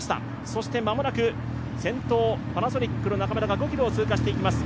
そして間もなく先頭、パナソニックの中村が５ｋｍを通過していきます。